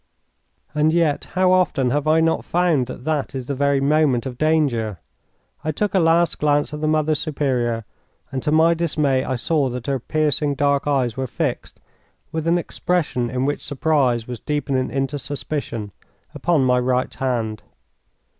And yet how often have I not found that that is the very moment of danger? I took a last glance at the Mother Superior, and to my dismay I saw that her piercing dark eyes were fixed, with an expression in which surprise was deepening into suspicion, upon my right hand.